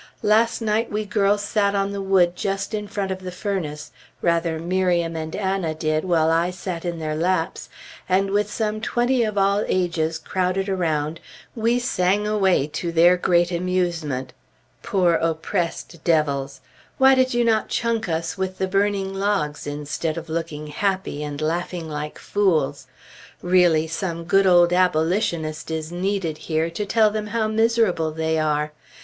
Last night we girls sat on the wood just in front of the furnace rather Miriam and Anna did, while I sat in their laps and with some twenty of all ages crowded around, we sang away to their great amusement. Poor oppressed devils! Why did you not chunk us with the burning logs instead of looking happy, and laughing like fools? Really, some good old Abolitionist is needed here, to tell them how miserable they are.